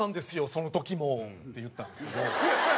その時も」って言ったんですけど。